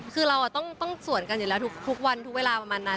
คือเราต้องสวดกันอยู่แล้วทุกวันทุกเวลาประมาณนั้น